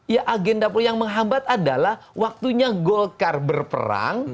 ya agenda yang menghambat adalah waktunya golkar berperang